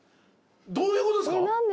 どういうことですか？